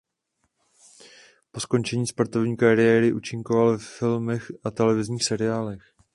Po skončení sportovní kariéry účinkoval ve filmech a televizních seriálech.